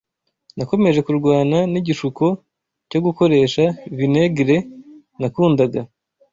Nakomeje kurwana n’igishuko cyo gukoresha vinegere nakundaga,